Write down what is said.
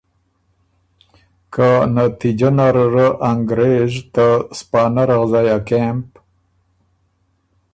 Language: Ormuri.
که نتیجه نره ره انګرېز ته سپانه رغزئ ا کېمپ